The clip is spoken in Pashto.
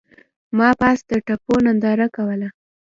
ما پاس د تپو ننداره کوله.